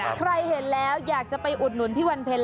ใครเห็นแล้วอยากจะไปอุดหนุนพี่วันเพ็ญ